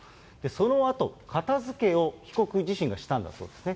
そのあと片づけを被告自身がしたんだそうですね。